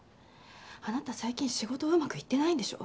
あなた最近仕事うまくいってないんでしょ？